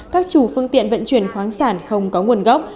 các chủ phương tiện vận chuyển khoáng sản không có nguồn gốc